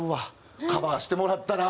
カバーしてもらったら。